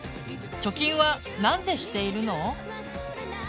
貯金はなんでしているの？